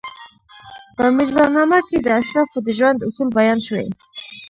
په میرزا نامه کې د اشرافو د ژوند اصول بیان شوي.